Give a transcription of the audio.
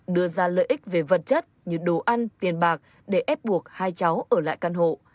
đưa ra lợi ích về vật chất như đồ ăn tiền bạc để ép buộc hai cháu ở lại căn hộ